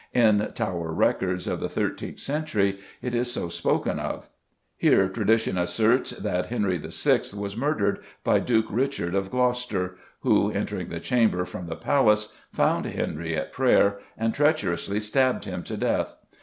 In Tower records of the thirteenth century it is so spoken of. Here tradition asserts that Henry VI. was murdered by Duke Richard of Gloucester, who, entering the chamber from the palace, found Henry at prayer and treacherously stabbed him to death.